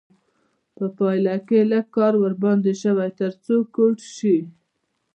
په پایله کې لږ کار ورباندې شوی تر څو کوټ شي.